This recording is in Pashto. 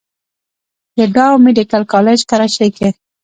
د ډاؤ ميديکل کالج کراچۍ کښې